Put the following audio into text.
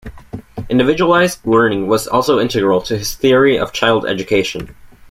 Individualized learning was also integral to his theory of child education.